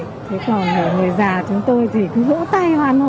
thế còn người già chúng tôi thì cứ vỗ tay hoan hồ